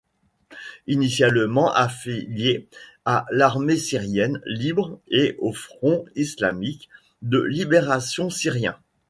Initialement affilié à l'Armée syrienne libre et au Front islamique de libération syrien.